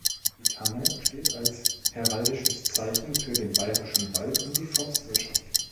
Die Tanne steht als heraldisches Zeichen für den Bayerischen Wald und für die Forstwirtschaft.